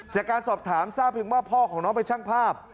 จากการสอบถามทราบเพียงว่าพ่อของน้องเป็นช่างภาพ